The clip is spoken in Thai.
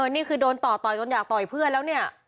นี่คือโดนต่อต่อยจนอยากต่อยเพื่อนแล้วเนี่ย